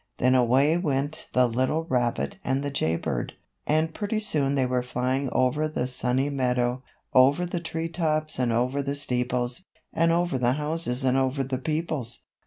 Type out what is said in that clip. Then away went the little rabbit and the Jay Bird, and pretty soon they were flying over the Sunny Meadow, over the treetops and over the steeples, and over the houses and over the peoples!